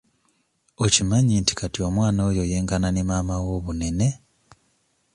Okimanyi nti omwana oyo kati yenkana ne maama we obunene?